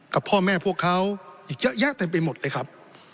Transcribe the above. กับพ่อแม่พวกเขาอีกเยอะแยะเต็มไปหมดเลยครับ